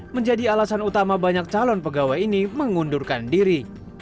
menjadi alasan utama banyak calon pegawai ini mengundurkan diri